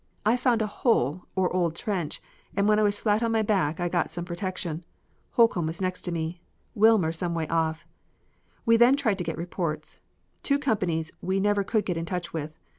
I found a hole or old trench and when I was flat on my back I got some protection. Holcomb was next to me; Wilmer some way off. We then tried to get reports. Two companies we never could get in touch with.